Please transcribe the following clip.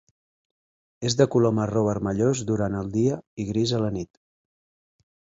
És de color marró vermellós durant el dia i gris a la nit.